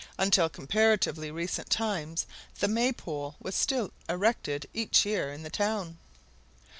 Until comparatively recent times the Maypole was still erected each year in the town.